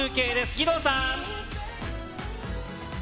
義堂さん。